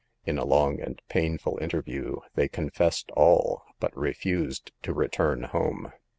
In a long and painful interview they confessed all, but re fused to return home.